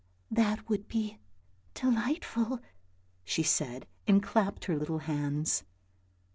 " That would be delightful," she said, and clapped her little hands.